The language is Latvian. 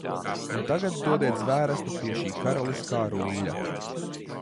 Un tagad dodiet zvērestu pie šī karaliskā ruļļa!